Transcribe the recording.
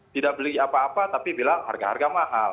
tidak beli apa apa tapi bilang harga harga mahal